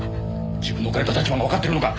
自分の置かれた立場をわかっているのか！